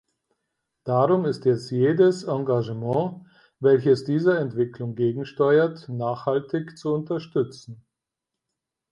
Darum ist jetzt jedes Engagement, welches dieser Entwicklung gegensteuert, nachhaltig zu unterstützen.